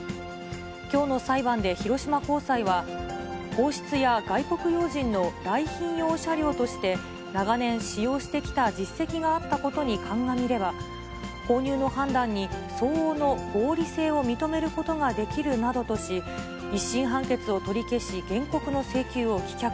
きょうの裁判で広島高裁は、皇室や外国要人の来賓用車両として、長年使用してきた実績があったことに鑑みれば、購入の判断に相応の合理性を認めることができるなどとし、１審判決を取り消し、原告の請求を棄却。